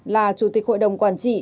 là chủ tịch hội đồng quản trị